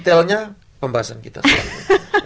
detailnya pembahasan kita itu adalah alam semesta